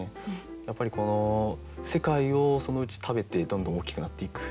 やっぱり世界をそのうち食べてどんどん大きくなっていく。